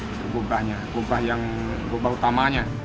itu kubahnya kubah yang kubah utamanya